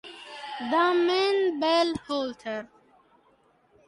Damen Bell-Holter